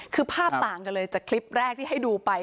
คือภาพต่างกันเลยจากคลิปแรกที่ให้ดูไป